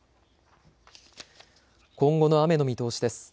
今後の雨の見通しです。